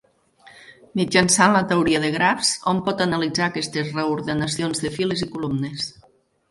Mitjançant la teoria de grafs, hom pot analitzar aquestes reordenacions de files i columnes.